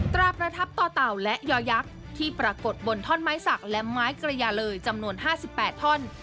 ตราประทับต่อเต่าและยอยักษ์ที่ปรากฏบนท่อนไม้สักและไม้กระยาเลยจำนวน๕๘ท่อน